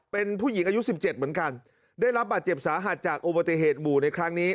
เป็นผู้หญิงอายุ๑๗เหมือนกันได้รับบาดเจ็บสาหัสจากอุบัติเหตุหมู่ในครั้งนี้